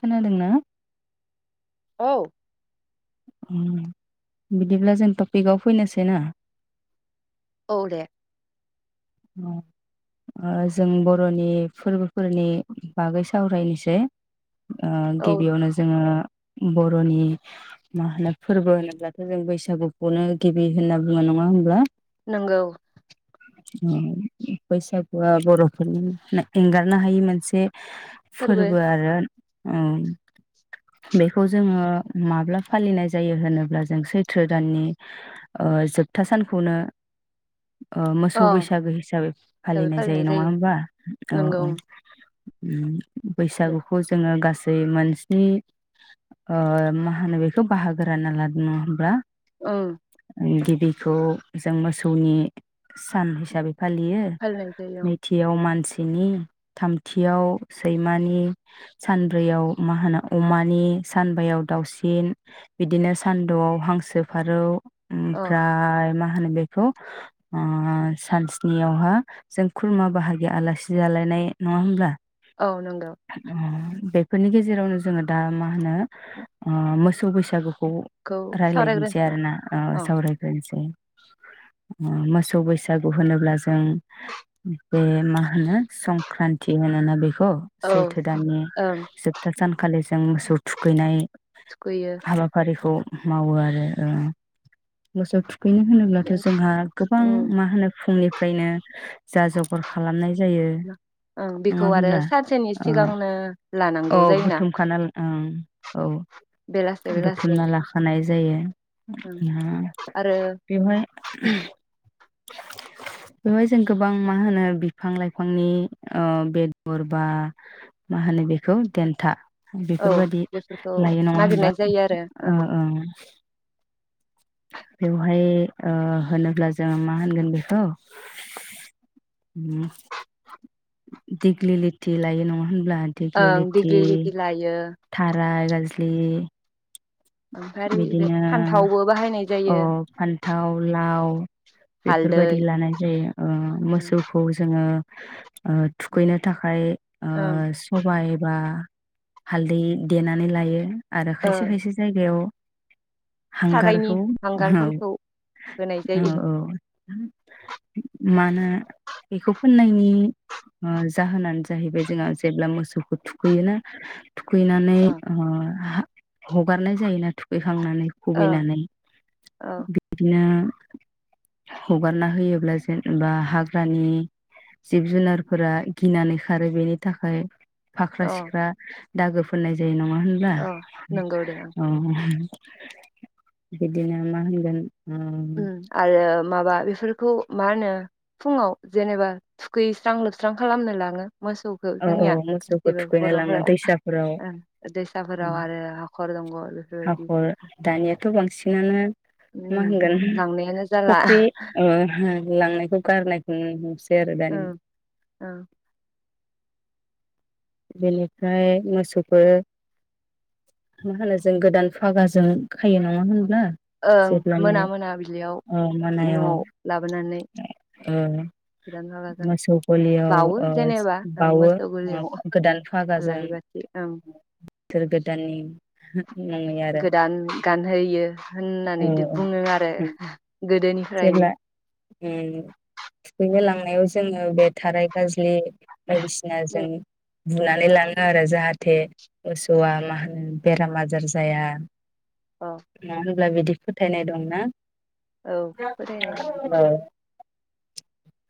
खोनादोंना? औ। ओम बिदिब्ला जों टपिकआव फैनोसै ना औ दे। ओ जों बर'नि फोरबोफोरनि बागै सावरायनोसै। ओ औ गिबियावनो जोङो बर'नि मा होनो फोरबो होनोब्लाथ' जों बैसागुखौनो गिबि होनना बुङो नङा होनोमब्ला नोंगौ। बैसागुआ बर'फोरनि एंगारनो हायि मोनसे फोरबो आरो। बेखौ जोङो माब्ला फालिनाय जायो होनोब्ला जों सैथ्र दाननि ओ जोबथा सानखौनो। सोसौ अ बैसागो हिसाबै फालिनाय जायो नङा होमबा औ नंगौ औ। उम। दे बैसागुखौ जोङो गासै दै मोनसिनि मा होनो बेखौ बाहागो रानना लादों होनब्ला औ। गिबिखौ जों मोसौनि सान हिसाबै फालियो फालिनाय जायो नैथियाव मानसि दिनि थामथियाव सैमानि सानब्रैयाव मा होनो अमानि सानबायाव दाउसिन बिदिनो सानद'आव हांसो फारौ औ ओमफ्राय मा माहोनो बेखौ सानसनियावहा जों खुरमा बाहागि आलासि जालायनाय नङा होमब्ला। औ नंगौ [unintelligible] बे फोरनि गेजेरावनो जोङो दा मा होनो मोसौ बैसागु बे खौ रायलायनोसै सावरायग्रोनोसै नामा आरो ना अ सावरायग्रोसै। [unintelligible] मोसौ बैसागु होनोब्ला जों बे मा होनो संक्रान्ति होनोना बे अ औ सैथो द ओं जोबथा सानखालि जों मोसौ थुखैनाय थुखैयो हाबाफारिखौ मावो आरो मोसौ थु बेनो होनोब्लाथ' जोंहा गोबां उम मा होनो फुंनिफ्रायनो जा जगार खालामनाय जायो ओं बेखौ नङा आरो हब्ला सानसेनि सिगांनो लानांगौ औ जायोना बुथुमखाना औ बेलासे बेलासे बुथुमना ला खानायनाय जायो ओं न आरो बेहाय बेवहाय जों गोबां मा होनो बिफां लाइफांनि ओ बेदर बा मा होनो बेखौ देन्था औ बेफोरबायादि बेफोरखौ लायो नङा होनबा नागिरनाय जायो आरो ओ बेवहाय ओ होनोब्ला जोङो मा होनगोन बेखौ दिग्लिलिथि लायो नङा होनब्ला दिग्लि ओं लिथि डिग्रि लिबि लायो थाराय बलि ओमफ्राय आरो बे बिदिनो फान्थावबो बाहायनाय ओ जायो फान्थाव लाव बेफोरबायदि हालदै लानाय जायो मोसौखौ जोंङो ओ थुखैनो थाखाय ओं सबाय बा हालदै देनानै लायो। आरो ओ खायसे खायसे [unintelligible] सारायनि हांगारखौ औ हांगारफोरखौ होनाय औ जायो औ मानो बेखौ फोननायनि ओ जाहोनानो जाहैबाय जोंहा जेब्ला मोसौखौ थुखैयोना थुखैनानै ओ ह हगारनाय जायो थुखै- खांनानै खुबैनानै औ बिदिनो हगारना होयोब्ला जेनेबा हाग्रानि जिब जुनार फोरा गिनानै खारो बेनि थाखाय फाख्रा अ सिख्रा दागो फोननाय जायो न ङा होनबा अ नंगौ दे आं अ बिदिनो मा होनगोन उ आरो माबा बेफोरखौ मा होनो फुङाव जेनेबा थुखैैस्रां लोबस्रां खालामनो लाङो मोसौखो औ औ जोंनिया मोसौखौ गासैबो थुखैनो लाङो बर'फोरा दैसाफोराव ओ दैसाफोराव आरो हाखर दङ बेफोरबायदि हाखर दानियाथ' बांसिनानो मा उ होनगोन फुख्रि लांनायखौ गारनाय [unintelligible] औ औ बेनिफ्राय मोसौफोर मा होनो जों गोदान फागाजों खायो नङा होनब्ला ओं जेब्लानो मोना मोना बिलियाव ओ नआव लाबोनानै औ गोदान फागाजों बावो ओ जेनेबा ओ बावो मोसौ ओ गोलियाव गोदान फागाजों आलारि बाथि ओं बोसोर गोदाननि मुङै आरो गोदान गानहोयो औ होननानै औ बुङो आरो जेब्ला गोदोनिफ्रायनो ओम थुखैनो लाङो नायाव जोङो बे थाराय गाजल्लि बायदिसिना जों बुनानै लाङो आरो जाहाथे मोसौआ मा होनो बेराम आजार जाया औ अब्ला बिदि फोथायनाय दंना? औ फोथायनायनि बिदिनो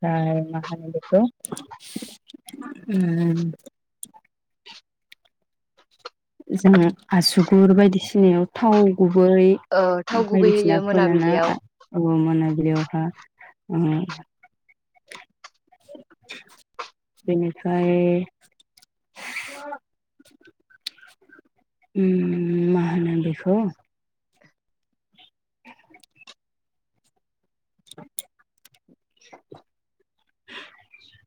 फ्राय मा होनो बेखौ उम जोंङो आसुगुर बायदिसिनायाव थाव गुबै ओ थाव गुबै बायदिसिना होयो फोनोना मोनाबिलियाव आ ओ मोना बेयावहा उम बेनिफ्राय उम मा होनो बेखौ [inaudible]